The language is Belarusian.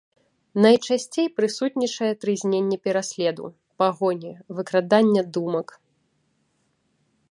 Найчасцей прысутнічае трызненне пераследу, пагоні, выкрадання думак.